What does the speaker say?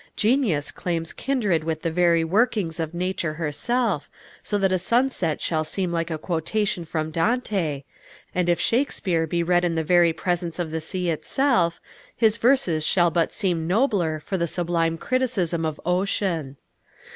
Genius claims kindred with the very workings of Nature herself, so that a sunset shall seem like a quotation from Dante, and if Shakespeare be read in the very presence of the sea itself, his verses shall but seem nobler for the sublime criticism of ocean.